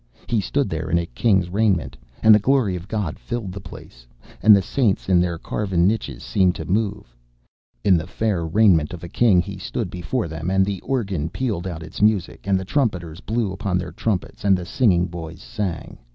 He stood there in a king's raiment, and the Glory of God filled the place, and the saints in their carven niches seemed to move. In the fair raiment of a king he stood before them, and the organ pealed out its music, and the trumpeters blew upon their trumpets, and the singing boys sang.